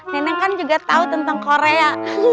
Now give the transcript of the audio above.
neneng kan juga tahu tentang korea